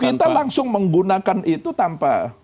kita langsung menggunakan itu tanpa